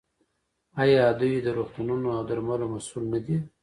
آیا دوی د روغتونونو او درملو مسوول نه دي؟